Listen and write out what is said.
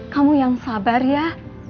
kamu yang sabar ya